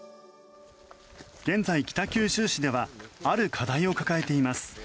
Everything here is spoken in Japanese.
現在、北九州市ではある課題を抱えています。